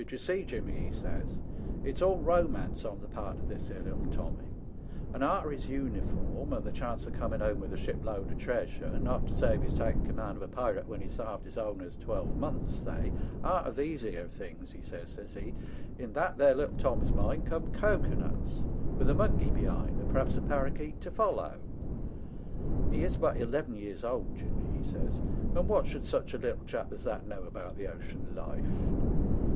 d'ye see, Jimmy/ he says, *it is all romance on the part of this here little Tommy, and arter his uniform and the chance of coming home with a shipload of treasure, not to say of his taking command of a pirate when he's sarved his owners twelve months say, arter these here things,' he says, says he, * in that there little Tommy's mind come cocoanuts with a monkey behind, and perhaps a paroqueet to follow. He is but eleven years old, Jimmy,' he says, 'and what should such a little chap as that know about the ocean life